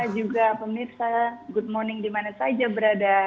juga pemirsa good morning dimana saja berada